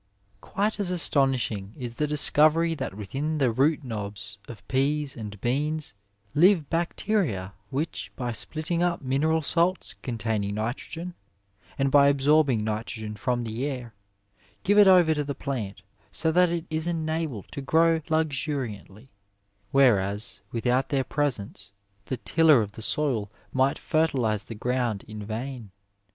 Quite as astonishing is the discovery that within the root knobs of pease and beans live bacteria which by splitting up mineral salts containing nitrogen, and by 242 Digitized by VjOOQIC MEDICINE IN THE NINETEENTH CENTURY absorbing nitrogen from the air, give it over to the plant so that it is enabled to grow luxuriantly, whereas, with out their presence, the tiller of the soil might fertilize the ground in vain.